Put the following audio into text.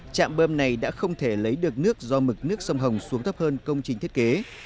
chạm bơm này đã không thể lấy được nước do mực nước sông hồng xuống thấp hơn công trình thiết kế